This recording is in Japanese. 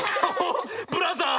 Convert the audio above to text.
ブラザー！